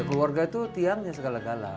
keluarga itu tiangnya segala gala